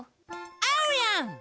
あおやん！